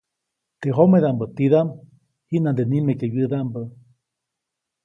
Teʼ jomedaʼmbä tidaʼm, jiʼnande nimeke wyädaʼmbä.